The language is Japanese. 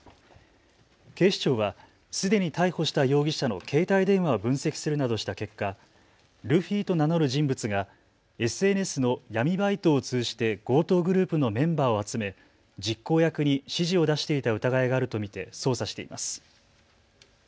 警視庁はすでに逮捕した容疑者の携帯電話を分析するなどした結果、ルフィと名乗る人物がＳＮＳの闇バイトを通じて強盗グループのメンバーを集め実行役に指示を出していた疑いがあると見て捜査しています。